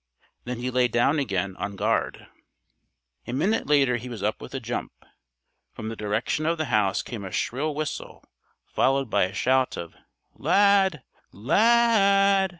Then he lay down again on guard. A minute later he was up with a jump. From the direction of the house came a shrill whistle followed by a shout of "Lad! _La ad!